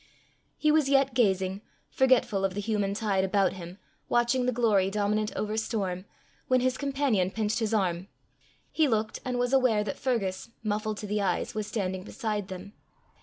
He was yet gazing, forgetful of the human tide about him, watching the glory dominant over storm, when his companion pinched his arm: he looked, and was aware that Fergus, muffled to the eyes, was standing beside them.